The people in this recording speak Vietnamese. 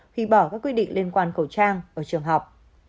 khi bỏ các quy định liên quan khẩu trang ở trường học